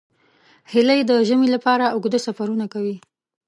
هیلۍ د ژمي لپاره اوږده سفرونه کوي